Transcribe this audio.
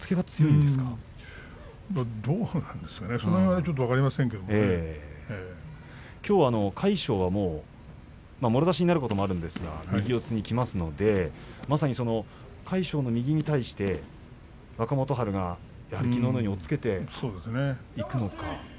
どうなんですかきょうは魁勝はもろ差しになることもありますが右四つにいきますのでまさに魁勝の右四つに対して若元春が、やはりきのうのように押っつけていくのか。